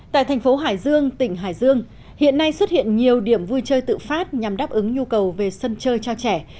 tại thành phố hải dương tỉnh hải dương hiện nay xuất hiện nhiều điểm vui chơi tự phát nhằm đáp ứng nhu cầu về sân chơi cho trẻ